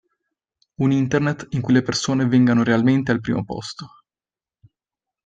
Un Internet in cui le persone vengano realmente al primo posto.